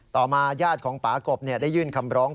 ต่อมาญาติของป่ากบได้ยื่นคำร้อง